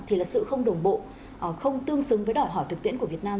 thì là sự không đồng bộ không tương xứng với đòi hỏi thực tiễn của việt nam